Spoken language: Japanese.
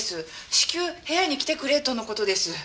至急部屋に来てくれとの事です。